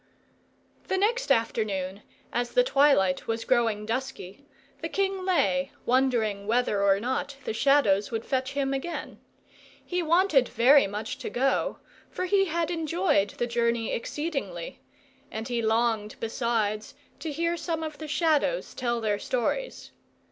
The next afternoon, as the twilight was growing dusky, the king lay wondering whether or not the Shadows would fetch him again. He wanted very much to go, for he had enjoyed the journey exceedingly, and he longed, besides, to hear some of the Shadows tell their stories.